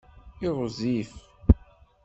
Iɣzif.